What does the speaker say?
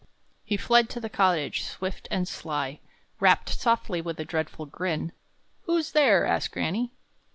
He fled to the cottage, swift and sly; Rapped softly, with a dreadful grin. "Who's there?" asked granny.